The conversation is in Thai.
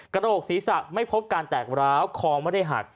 กระโหลกศีรษะไม่พบการแตกร้าวคอไม่ได้หัก